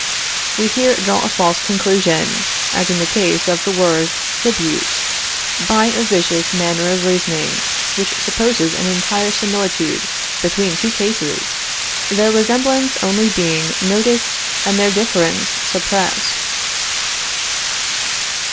We here draw a false conclusion, as in the case of the word tribute, by a vicious manner of reasoning, which supposes an entire similitude between two cases, their resemblance only being noticed and their difference suppressed.